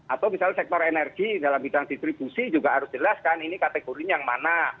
atau misalnya sektor energi dalam bidang distribusi juga harus jelas kan ini kategorinya yang mana